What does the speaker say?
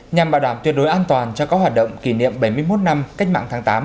nhằm bảo đảm tuyệt đối an toàn cho các hoạt động kỷ niệm bảy mươi một năm cách mạng tháng tám